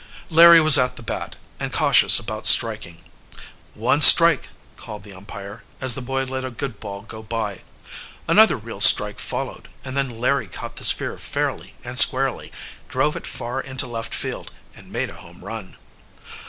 Larry was at the bat, and cautious about striking. "One strike!" called the umpire, as the boy let a good ball go by. Another real strike followed, and then Larry caught the sphere fairly and squarely, drove it far into left field, and made a home run.